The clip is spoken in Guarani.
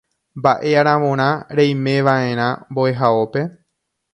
Mba'e aravorã reimeva'erã mbo'ehaópe.